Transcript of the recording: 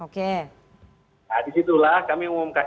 nah disitulah kami umumkan